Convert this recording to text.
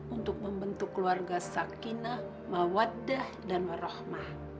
untuk membentuk keluarga sakinah mawaddah dan warohmah